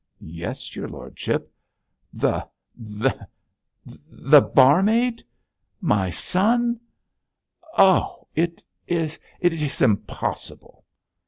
'Yes, your lordship.' 'The the the barmaid! My son! oh, it is it is impossible!'